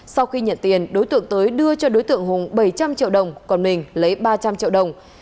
sau khi nhận tiền đối tượng tới đưa cho đối tượng hùng bảy trăm linh triệu đồng còn mình lấy ba trăm linh triệu đồng